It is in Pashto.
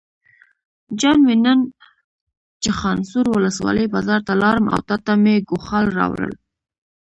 جان مې نن چخانسور ولسوالۍ بازار ته لاړم او تاته مې ګوښال راوړل.